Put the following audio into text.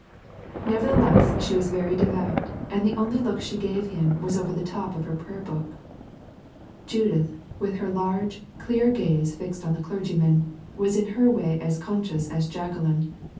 Nevertheless, she was very devout, and the only look she gave him was over the top of her prayer book. Judith, with her large, clear gaze fixed on the clergyman, was in her way as conscious as Jacqueline.